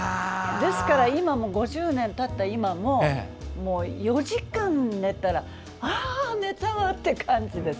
ですから５０年たった今も４時間寝たらああ寝たわって感じです。